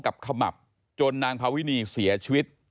ขมับจนนางพาวินีเสียชีวิต